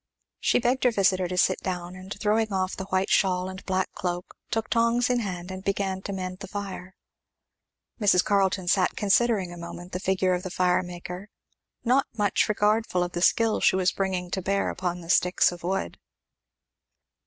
She begged her visiter to sit down, and throwing off the white shawl and black cloak, took tongs in hand and began to mend the fire. Mrs. Carleton sat considering a moment the figure of the fire maker, not much regardful of the skill she was bringing to bear upon the sticks of wood.